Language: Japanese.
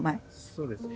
そうですね。